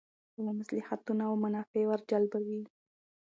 او مصلحتونه او منافع ور جلبوی